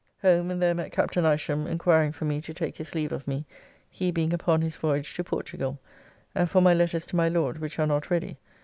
Home and there met Capt. Isham inquiring for me to take his leave of me, he being upon his voyage to Portugal, and for my letters to my Lord which are not ready.